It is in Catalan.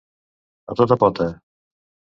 A tota pota.